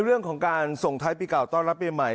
เรื่องของการส่งท้ายปีเก่าต้อนรับปีใหม่